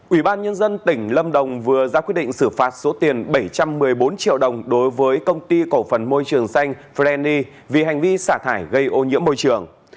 ủy ban nhân dân tỉnh lâm đồng vừa ra quyết định xử phạt số tiền bảy trăm một mươi bốn triệu đồng đối với công ty cổ phần môi trường xanh freni vì hành vi xả thải gây ô nhiễm môi trường